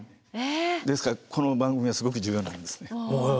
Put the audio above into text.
ですからこの番組はすごく重要なんです。